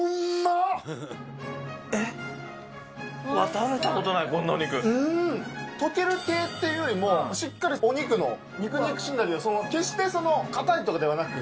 食べたことない、溶けるっていうよりもしっかりお肉の、肉肉しいんだけど、決して硬いとかではなく。